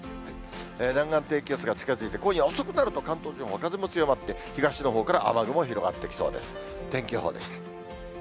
南岸低気圧が近づいて、今夜遅くなると、関東地方、風も強まって、東のほうから雨雲広がってきそうです。